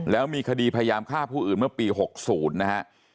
แล้วมีคดีพยายามฆ่าผู้อื่นเมื่อปี๖๐นะฮะ